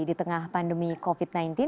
di tengah pandemi covid sembilan belas